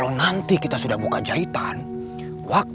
sampai jumpa di video selanjutnya